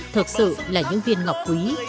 thực sự là những viên ngọc quý